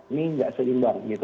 ini tidak seimbang